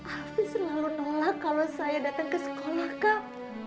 alfi selalu menolak kalau saya datang ke sekolah kak